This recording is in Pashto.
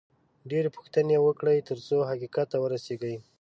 ډېرې پوښتنې وکړئ، ترڅو حقیقت ته ورسېږئ